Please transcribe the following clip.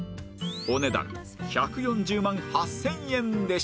お値段１４０万８０００円でした